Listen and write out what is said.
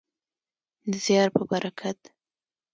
د زیار په برکت.